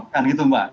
kan gitu mbak